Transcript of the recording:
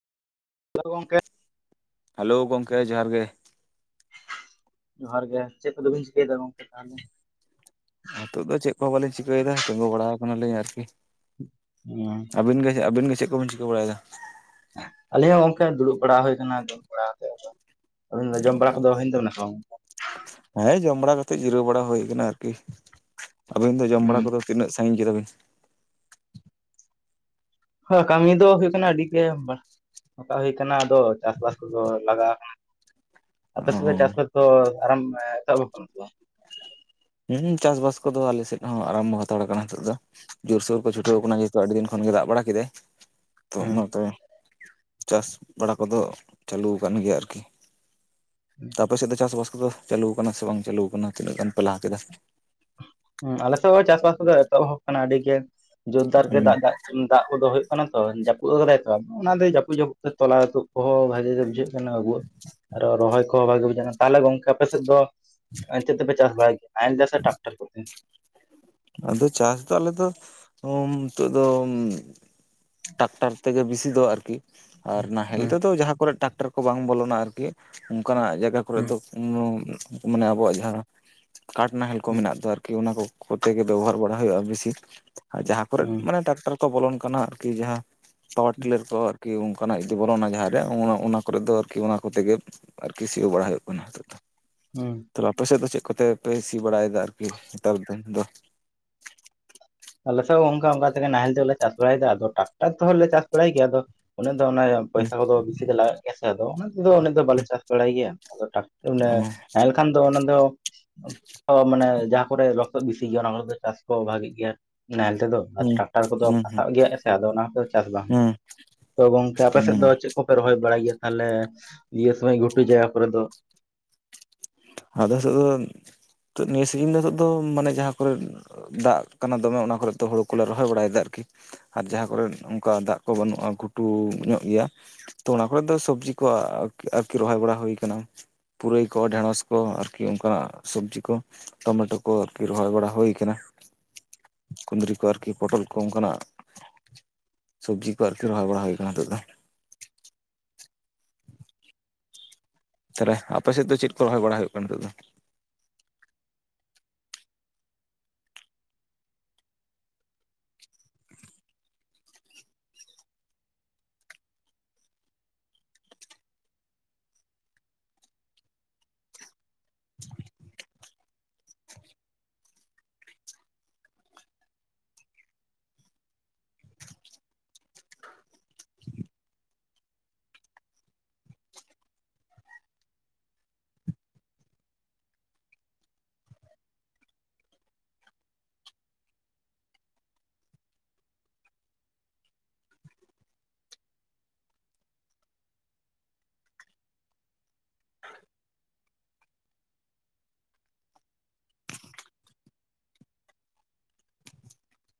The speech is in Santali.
ᱡᱚᱦᱟᱨ ᱜᱮ ᱜᱚᱝᱠᱮ ᱾ ᱦᱮᱞᱳ ᱜᱚᱝᱠᱮ ᱡᱚᱦᱟᱨ ᱜᱮ ᱾ ᱡᱚᱦᱟᱨ ᱜᱮ, ᱪᱮᱫ ᱠᱚᱫᱚ ᱵᱤᱱ ᱪᱤᱠᱟᱹᱭᱮᱫᱟ ᱜᱚᱝᱠᱮ ᱛᱟᱦᱚᱞᱮ? ᱱᱤᱛᱚᱜ ᱫᱚ ᱪᱮᱫ ᱠᱚᱦᱚᱸ ᱵᱟᱹᱞᱤᱧ ᱪᱤᱠᱟᱹᱭᱮᱫᱟ, ᱛᱤᱸᱜᱩ ᱵᱟᱲᱟᱣ ᱠᱟᱱᱟᱞᱤᱧ ᱟᱨᱠᱤ ᱾ ᱦᱮᱸ ᱾ ᱟᱹᱵᱤᱱ ᱜᱮ ᱟᱵᱤᱱ ᱜᱮ ᱪᱮᱫ ᱠᱚᱵᱤᱱ ᱪᱤᱠᱟᱹ ᱵᱟᱲᱟᱭᱮᱫᱟ? ᱟᱞᱮ ᱦᱚᱸ ᱚᱝᱠᱟ ᱫᱩᱲᱩᱵ ᱵᱟᱲᱟ ᱦᱩᱭ ᱟᱠᱟᱱᱟ ᱡᱚᱢ ᱵᱟᱲᱟ ᱠᱟᱛᱮᱜ ᱟᱫᱚ ᱾ ᱟᱵᱮᱱ ᱫᱚ ᱡᱚᱢ ᱵᱟᱲᱟ ᱠᱚᱫᱚ ᱦᱩᱭᱮᱱ ᱛᱟᱵᱮᱱᱟ ᱥᱮ ᱵᱟᱝ? ᱦᱮᱸ ᱡᱚᱢ ᱵᱟᱲᱟ ᱠᱟᱛᱮᱫ ᱡᱤᱨᱟᱹᱣ ᱵᱟᱲᱟ ᱦᱩᱭ ᱠᱟᱱᱟ ᱟᱨᱠᱤ ᱾ ᱟᱹᱵᱤᱱ ᱫᱚ ᱡᱚᱢ ᱵᱟᱲᱟ ᱦᱩᱸ ᱠᱚᱫᱚ ᱛᱤᱱᱟᱹᱜ ᱥᱟᱺᱤᱧᱟ ᱠᱮᱫᱟ ᱵᱤᱱ? ᱦᱮᱸ ᱠᱟᱹᱢᱤ ᱫᱚ ᱦᱩᱭᱩᱜ ᱠᱟᱱᱟ ᱟᱹᱰᱤ ᱜᱮ ᱵᱟ ᱱᱚᱝᱠᱟ ᱦᱩᱭ ᱠᱟᱱᱟ ᱟᱫᱚ ᱪᱟᱥᱵᱟᱥ ᱠᱚᱫᱚ ᱞᱟᱜᱟᱣ ᱠᱟᱱᱟ ᱾ ᱟᱯᱮ ᱚ ᱥᱮᱫ ᱫᱚ ᱪᱟᱥᱵᱟᱥ ᱫᱚ ᱟᱨᱟᱢ ᱮᱻ ᱮᱛᱚᱦᱚᱵ ᱠᱟᱱᱟ ᱥᱮ ᱵᱟᱝ? ᱦᱮᱸ ᱪᱟᱥ ᱵᱟᱥ ᱠᱚᱫᱚ ᱟᱞᱮ ᱥᱮᱫ ᱦᱚᱸ ᱟᱨᱟᱢᱵᱚ ᱦᱟᱛᱟᱲ ᱠᱟᱱᱟ ᱱᱤᱛᱚᱜ ᱫᱚ᱾ ᱡᱳᱨᱥᱳᱨ ᱠᱚ ᱪᱷᱩᱴᱟᱹᱣ ᱠᱟᱱᱟ ᱡᱮᱦᱮᱛᱩ ᱟᱹᱰᱤ ᱫᱤᱱ ᱠᱷᱚᱱ ᱜᱮ ᱫᱟᱜ ᱵᱟᱲᱟ ᱠᱮᱫᱟᱭ ᱛᱳ ᱦᱩᱸ ᱚᱱᱟ ᱛᱮ ᱪᱟᱥ ᱵᱟᱲᱟ ᱠᱚᱫᱚ ᱪᱟᱹᱞᱩ ᱟᱠᱟᱱ ᱜᱮᱭᱟ ᱟᱨᱠᱤ ᱟᱯᱮ ᱥᱮᱫ ᱫᱚ ᱪᱟᱥ ᱵᱟᱥ ᱠᱚᱫᱚ ᱪᱟᱹᱞᱩ ᱠᱟᱱᱟ ᱥᱮ ᱵᱟᱝ ᱪᱟᱹᱞᱩ ᱠᱟᱱᱟ ᱛᱤᱱᱟᱹᱜ ᱜᱟᱱ ᱯᱮ ᱞᱟᱦᱟ ᱠᱮᱫᱟ᱾ ᱦᱮᱸ ᱟᱞᱮ ᱥᱮᱫ ᱦᱚᱸ ᱪᱟᱥ ᱵᱟᱥ ᱠᱚᱫᱚ ᱮᱛᱚᱦᱚᱵ ᱠᱟᱱᱟ ᱟᱹᱰᱤ ᱜᱮ ᱡᱳᱨᱫᱟᱨ ᱜᱮ ᱫᱟᱜ ᱫᱟᱜ ᱫᱟᱜ ᱠᱚᱫᱚ ᱦᱩᱭᱩᱜ ᱠᱟᱱᱟ ᱛᱳ ᱡᱟᱹᱯᱩᱫ ᱟᱠᱟᱫᱟᱭ ᱛᱚ ᱚᱱᱟ ᱫᱚ ᱡᱟᱹᱯᱩᱫ ᱡᱟᱹᱯᱩᱫ ᱛᱮ ᱛᱚᱞᱟ ᱛᱩᱫ ᱠᱚᱦᱚᱸ ᱵᱷᱟᱜᱤ ᱜᱮ ᱵᱩᱡᱷᱟᱹᱜ ᱠᱟᱱᱟ ᱟᱹᱵᱩᱣᱟᱜ ᱨᱚᱦᱚᱭ ᱠᱚᱦᱚᱸ ᱵᱷᱟᱜᱮ ᱵᱩᱡᱷ ᱫᱟᱲᱮᱭ ᱠᱟᱱᱟ ᱛᱟᱦᱚᱞᱮ ᱜᱚᱝᱠᱮ ᱟᱯᱮ ᱥᱮᱫ ᱫᱚ ᱱᱚᱭᱚᱭ ᱱᱤᱫᱚᱜ ᱫᱚᱯᱮ ᱪᱟᱥ ᱵᱟᱲᱟᱭ-ᱫᱟ ᱱᱟᱦᱮᱞ ᱛᱮᱥᱮ ᱴᱨᱟᱠᱴᱟᱨ ᱠᱚᱛᱮ ᱟᱫᱚ ᱪᱟᱥ ᱫᱚ ᱟᱞᱮ ᱫᱚ ᱱᱤᱛᱚᱜ ᱫᱚᱼᱼ ᱴᱟᱠᱴᱟᱨ ᱛᱮᱜᱮ ᱵᱮᱥᱤ ᱫᱚ ᱟᱨᱠᱤ ᱟᱨ ᱱᱟᱦᱮᱞ ᱦᱩᱸ ᱛᱮᱫᱚ ᱡᱟᱦᱟᱸ ᱠᱚᱨᱮ ᱴᱟᱠᱴᱟᱨ ᱠᱚ ᱵᱟᱝ ᱵᱚᱞᱚᱱᱟ ᱟᱨᱠᱤ ᱚᱱᱠᱟᱱᱟᱜ ᱡᱟᱭᱜᱟ ᱠᱚᱨᱮ ᱦᱩᱸ ᱫᱚ ᱢᱟᱱᱮ ᱟᱵᱚᱣᱟᱜ ᱡᱟᱦᱟᱸᱼᱼ ᱠᱟᱴ ᱱᱟᱦᱮᱞ ᱠᱚ ᱦᱩᱸ ᱢᱮᱱᱟᱜ ᱫᱚ ᱟᱨᱠᱤ ᱚᱱᱟ ᱠᱚ ᱠᱚᱛᱮ ᱜᱮ ᱵᱮᱵᱚᱦᱟᱨ ᱵᱟᱲᱟ ᱦᱩᱭᱩᱜᱼᱟ ᱵᱮᱥᱤᱼᱼ ᱟᱨ ᱡᱟᱦᱟᱸ ᱠᱚᱨᱮ ᱦᱩᱸ ᱢᱟᱱᱮ ᱴᱨᱟᱠᱴᱟᱨ ᱠᱚ ᱵᱚᱞᱚᱱ ᱠᱟᱱᱟ ᱟᱨᱠᱤ ᱡᱟᱦᱟᱸ ᱯᱟᱣᱟᱨ ᱴᱤᱞᱟᱨ ᱠᱚ ᱟᱨᱠᱤ ᱠᱤ ᱚᱱᱠᱟᱱᱟᱜ ᱡᱩᱫᱤ ᱵᱚᱞᱚᱱᱟ ᱡᱟᱦᱟᱸ ᱨᱮ ᱚᱱᱟ ᱚᱱᱟ ᱠᱚᱨᱮ ᱫᱚ ᱟᱨᱠᱤ ᱚᱱᱟ ᱠᱚᱛᱮ ᱜᱮ ᱟᱨ ᱠᱤ ᱥᱤᱭᱳᱜ ᱵᱟᱲᱟ ᱦᱩᱭᱩᱜ ᱠᱟᱱᱟ ᱦᱤᱛᱚᱜ ᱫᱚ ᱦᱩᱸ ᱛᱟᱦᱚᱞᱮ ᱟᱯᱮ ᱥᱮᱫ ᱫᱚ ᱪᱮᱫ ᱠᱚᱛᱮ ᱯᱮ ᱥᱤ ᱵᱟᱲᱟᱭ ᱮᱫᱟ ᱟᱨᱠᱤ ᱱᱮᱛᱟᱨ ᱫᱤᱱ ᱫᱚᱼᱼ ᱟᱞᱮ ᱥᱮᱫ ᱦᱚᱸ ᱚᱱᱠᱟ ᱚᱱᱠᱟ ᱛᱮᱜᱮ ᱱᱟᱦᱮᱞ ᱛᱮᱞᱮ ᱪᱟᱥ ᱵᱟᱲᱟᱭ ᱮᱫᱟ ᱟᱫᱚ ᱴᱨᱟᱠᱴᱟᱨ ᱛᱮᱦᱚᱸ ᱞᱮ ᱪᱟᱥ ᱵᱟᱲᱟᱭ ᱜᱮᱭᱟ ᱟᱫᱚ ᱩᱱᱟᱹᱜ ᱫᱚ ᱚᱱᱟᱼᱼ ᱦᱩᱸ ᱯᱚᱭᱥᱟ ᱠᱚᱫᱚ ᱵᱤᱥᱤ ᱜᱮ ᱞᱟᱜᱟᱜ ᱜᱮᱭᱟ ᱥᱮ ᱟᱫᱚ ᱚᱱᱟ ᱛᱮᱫᱚ ᱵᱟᱞᱮ ᱪᱟᱥ ᱵᱟᱲᱟᱭ ᱜᱮᱭᱟ ᱟᱫᱚ [unintelligible] ᱠᱷᱟᱱ ᱫᱚ ᱚᱱᱟ ᱫᱚ ᱢᱟᱱᱮ ᱡᱟᱦᱟᱸ ᱠᱚᱨᱮ ᱞᱚᱥᱚᱫ ᱵᱤᱥᱤ ᱜᱮᱭᱟ ᱚᱱᱟ ᱠᱚᱨᱮ ᱫᱚ ᱪᱟᱥ ᱠᱚ ᱵᱷᱟᱜᱤ ᱜᱮᱭᱟ ᱱᱟᱦᱮᱞ ᱛᱮᱫᱚᱼᱼ ᱦᱩᱸ ᱴᱨᱟᱠᱴᱟᱨ ᱠᱚᱫᱚ ᱦᱩᱸ ᱦᱩᱸ ᱯᱟᱥᱟᱣ ᱜᱮᱭᱟ ᱦᱮᱸᱥᱮ ᱟᱫᱚ ᱚᱱᱟ ᱠᱚᱫᱚ ᱪᱟᱥ ᱵᱟᱝ ᱦᱩᱭᱩᱜᱼᱟ ᱦᱩᱸ ᱛᱚ ᱜᱚᱝᱠᱮ ᱟᱯᱮ ᱥᱮᱫ ᱦᱩᱸ ᱫᱚ ᱪᱮᱫ ᱠᱚᱯᱮ ᱨᱚᱦᱚᱭ ᱵᱟᱲᱟᱭ ᱜᱮᱭᱟ ᱛᱟᱦᱚᱞᱮ ᱤᱭᱟᱹ ᱥᱚᱢᱚᱭ ᱜᱷᱩᱴᱩ ᱡᱟᱭᱜᱟ ᱠᱚᱨᱮ ᱫᱚ ᱟᱫᱚ [unintelligible] ᱱᱤᱛᱚᱜ ᱫᱚ ᱱᱤᱭᱟᱹ ᱥᱤᱡᱤᱱ ᱫᱚ ᱦᱤᱛᱚᱜ ᱫᱚ ᱢᱟᱱᱮ ᱡᱟᱦᱟᱸ ᱠᱚᱨᱮ ᱫᱟᱜ ᱠᱟᱱᱟ ᱫᱚᱢᱮ ᱚᱱᱟ ᱠᱚᱨᱮᱫ ᱫᱚ ᱦᱩᱲᱩ ᱠᱚᱞᱮ ᱨᱚᱦᱚᱭ ᱵᱟᱲᱟᱭ ᱮᱫᱟ ᱟᱨᱠᱤ ᱟᱨ ᱡᱟᱸᱦᱟ ᱠᱚᱨᱮᱜ ᱚᱱᱠᱟ ᱫᱟᱜ ᱠᱚ ᱵᱟᱹᱱᱩᱜᱼᱟ ᱜᱷᱩᱴᱩ ᱧᱚᱜ ᱜᱮᱭᱟ ᱛᱚ ᱚᱱᱟ ᱠᱚᱨᱮ ᱫᱚ ᱥᱚᱵᱡᱤ ᱠᱚ ᱟᱨᱠᱤ ᱨᱚᱦᱚᱭ ᱵᱟᱲᱟ ᱦᱩᱭ ᱠᱟᱱᱟ ᱯᱩᱨᱟᱹᱭ ᱠᱚ ᱰᱷᱮᱸᱲᱚᱥ ᱠᱚ ᱟᱨᱠᱤ ᱚᱱᱠᱟᱱᱟᱜ ᱥᱚᱵᱡᱤ ᱠᱚ ᱴᱚᱢᱮᱴᱳ ᱠᱚ ᱟᱨᱠᱤ ᱨᱚᱦᱚᱭ ᱵᱟᱲᱟ ᱦᱩᱭ ᱟᱠᱟᱱᱟ ᱠᱩᱫᱽᱨᱤ ᱠᱚ ᱟᱨᱠᱤ ᱯᱚᱴᱚᱞ ᱠᱚ ᱚᱱᱠᱟᱱᱟᱜ ᱥᱚᱵᱽᱡᱤ ᱠᱚ ᱟᱨᱠᱤ ᱨᱚᱦᱚᱭ ᱵᱟᱲᱟ ᱦᱩᱭ ᱠᱟᱱᱟ ᱱᱤᱛᱚᱜ ᱫᱚᱼᱼ ᱛᱟᱦᱚᱞᱮ ᱟᱯᱮ ᱥᱮᱫ ᱫᱚ ᱪᱮᱫ ᱠᱚ ᱨᱚᱦᱚᱭ ᱵᱟᱲᱟ ᱦᱩᱭᱩᱜ ᱠᱟᱱᱟ ᱱᱤᱛᱚᱜ ᱫᱚ